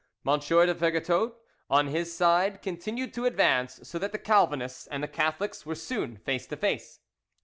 M de Vergetot, on his side, continued to advance, so that the Calvinists and the Catholics were soon face to face.